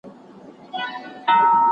آيا د خپلي کورنۍ د غړو مزاجونه پېژنئ؟